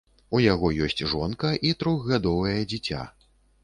У яго ёсць жонка і трохгадовае дзіця.